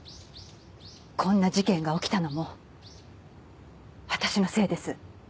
こんな事件が起きたのも私のせいです。